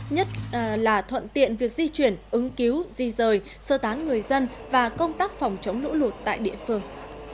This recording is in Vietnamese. nhất là thuận tiện việc di chuyển ứng cứu di rời sơ tán người dân và công tác phòng chống lũ lụt tại địa phương